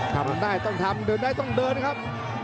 ทำได้ต้องทำเดินได้ต้องเดินครับ